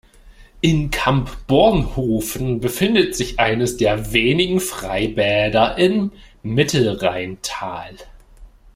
In Kamp-Bornhofen befindet sich eines der wenigen Freibäder im Mittelrheintal.